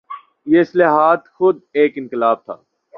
یہ اصلاحات خود ایک انقلاب تھا۔